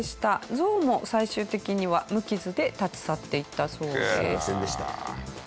ゾウも最終的には無傷で立ち去っていったそうです。